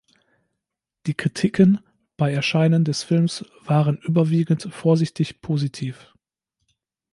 Die Kritiken bei Erscheinen des Films waren überwiegend vorsichtig positiv.